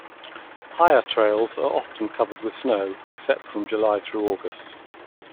Higher trails are often covered with snow except from July through August.